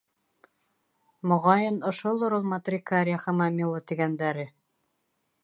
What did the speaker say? Моғайын, ошолор ул Матрикариа Хамомилла тигәндәре.